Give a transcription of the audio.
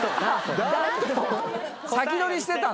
先取りしてた？